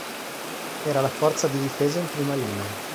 Era la forza di difesa in prima linea.